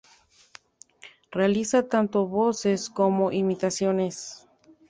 Realiza tanto voces como imitaciones.